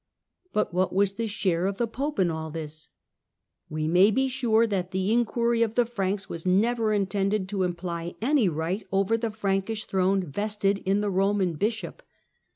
But what was the share of the Pope in all this '? We may be sure that the inquiry of the Franks was never intended to imply any right over the Frankish throne yested in the Koman bishop.